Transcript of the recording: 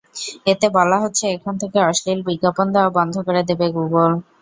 এতে বলা হচ্ছে, এখন থেকে অশ্লীল বিজ্ঞাপন দেওয়া বন্ধ করে দেবে গুগল।